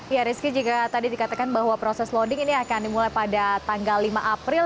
ya rizky jika tadi dikatakan bahwa proses loading ini akan dimulai pada tanggal lima april